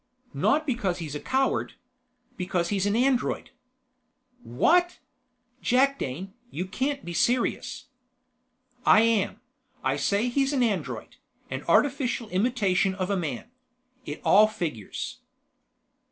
"Not because he's a coward. Because he's an android!" "What? Jakdane, you can't be serious!" "I am. I say he's an android, an artificial imitation of a man. It all figures.